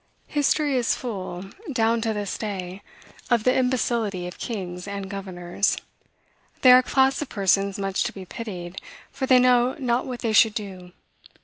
History is full, down to this day, of the imbecility of kings and governors. They are a class of persons much to be pitied, for they know not what they should do.